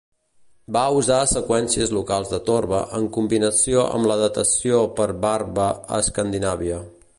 Va usar seqüències locals de torba en combinació amb la datació per varva a Escandinàvia.